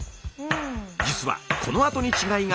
実はこのあとに違いが。